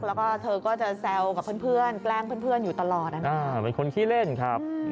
แล้วก็เธอก็จะแซวกับเพื่อนแกล้งเพื่อนอยู่ตลอดนะครับเป็นคนขี้เล่นครับ